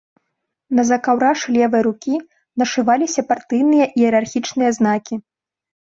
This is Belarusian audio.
На закаўрашы левай рукі нашываліся партыйныя іерархічныя знакі.